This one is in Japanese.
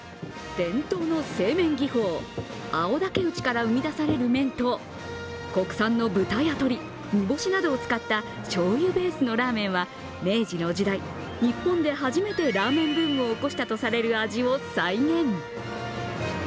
伝統の製麺技法、青竹打ちから生み出される麺と国産の豚や鳥、煮干しなどを使ったしょうゆベースのラーメンは明治の時代、日本で初めてラーメンブームを起こしたとされる味を再現。